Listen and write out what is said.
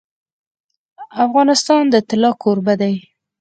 افغانستان د طلا کوربه دی.